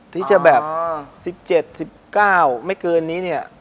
ที่จะแบบ๑๗๑๙ไม่เกินนี้เนี่ย